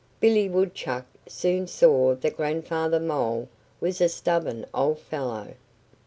Billy Woodchuck soon saw that Grandfather Mole was a stubborn old fellow.